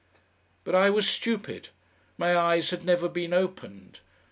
But I was stupid. My eyes had never been opened.